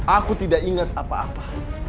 aku tidak ingat apa apa